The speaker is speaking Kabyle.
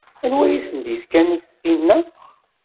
Anwa i asen-d-ifkan tinna?